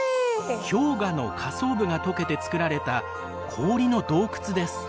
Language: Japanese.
氷河の下層部が溶けてつくられた氷の洞窟です。